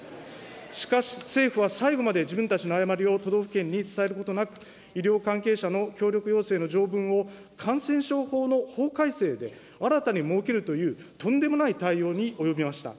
しかし、政府は最後まで自分たちの誤りを都道府県に伝えることなく、医療関係者の協力要請の条文を感染症の法改正で新たに設けるという、とんでもない対応に及びました。